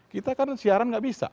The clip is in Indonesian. kita kan siaran nggak bisa